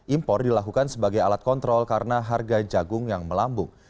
impor dilakukan sebagai alat kontrol karena harga jagung yang melambung